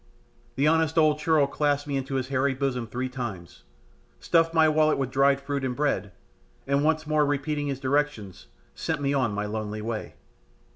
The honest old churl clasped me into his hairy bosom three times, stuffed my wallet with dry fruit and bread, and once more repeating his directions, sent me on my lonely way.